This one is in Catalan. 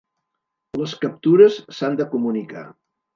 Les captures s'han de comunicar.